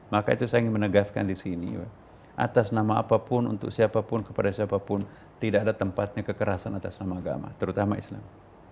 maka itu saya ingin menegaskan di sini atas nama apapun untuk siapapun kepada siapapun tidak ada tempatnya kekerasan atas nama agama terutama islam